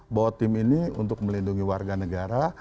bahwa tim ini untuk melindungi warga negara